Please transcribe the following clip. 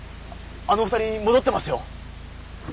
あの２人戻ってますよ。